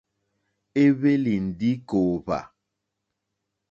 É hwélì ndí kòòhvà.